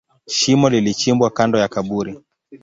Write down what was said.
Shimo lilichimbwa kando ya kaburi.